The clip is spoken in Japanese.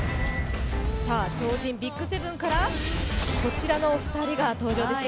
超人ＢＩＧ７から、こちらのお二人が登場ですね。